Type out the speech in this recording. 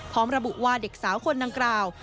พร้อมระบุว่าเด็กสาวคนดังกล่าว